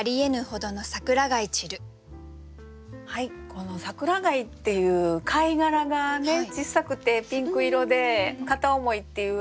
この「桜貝」っていう貝殻がね小さくてピンク色で片思いっていう